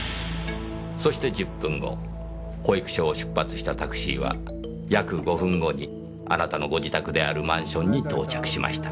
そして１０分後保育所を出発したタクシーは約５分後にあなたのご自宅であるマンションに到着しました。